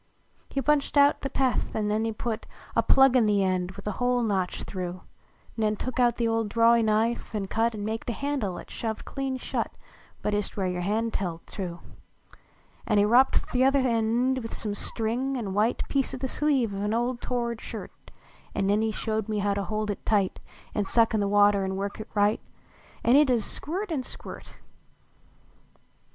He punched out the peth, an nen he put A plug in the end with a hole notched through ; Nen took the old drawey knife an cut An maked a handle at shoved clean shut But ist where ycr hand held to. An he wropt th uther end with some string an white Piece o the sleeve of a old tored shirt ; An nen he showed me to hold it tight, An suck in the water an work it right An it ud ist squirt an squirt